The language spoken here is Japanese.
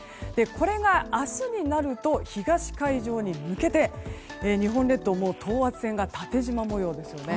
これが明日になると東海上に抜けて日本列島等圧線が縦じま模様ですね。